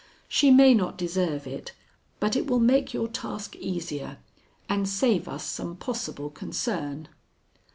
She may not deserve it, but it will make your task easier and save us some possible concern."